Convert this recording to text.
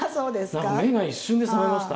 何か目が一瞬で覚めました。